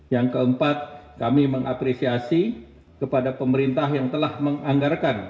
yang keempat kami mengapresiasi kepada pemerintah yang telah menganggarkan